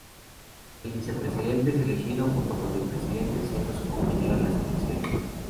El Vicepresidente es elegido junto con el presidente, siendo su compañero en las elecciones.